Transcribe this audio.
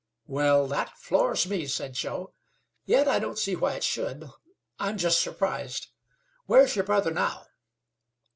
"Well, that floors me," said Joe; "yet I don't see why it should. I'm just surprised. Where is your brother now?"